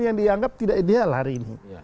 yang dianggap tidak ideal hari ini